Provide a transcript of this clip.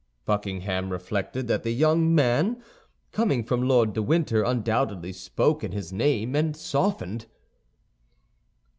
Buckingham reflected that the young man, coming from Lord de Winter, undoubtedly spoke in his name, and softened.